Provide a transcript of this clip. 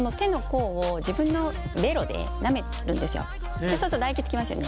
そうすると唾液つきますよね。